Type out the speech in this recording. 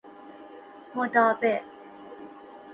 مدعابه